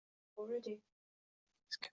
Ččet s leεqel-nwen.